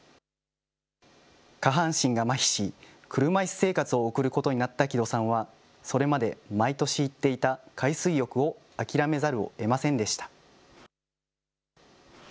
下半身がまひし車いす生活を送ることになった木戸さんは、それまで毎年行っていた海水浴を諦めざるをえませんでした。